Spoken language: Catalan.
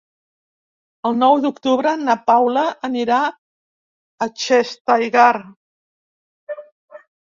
El nou d'octubre na Paula anirà a Xestalgar.